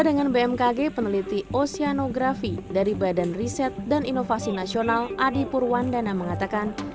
dengan bmkg peneliti oseanografi dari badan riset dan inovasi nasional adi purwandana mengatakan